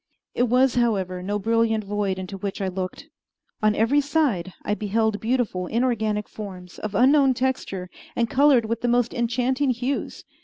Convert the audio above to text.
It was, however, no brilliant void into which I looked. On every side I beheld beautiful inorganic forms, of unknown texture, and colored with the most enchanting hues.